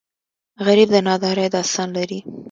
غریب د نادارۍ داستان لري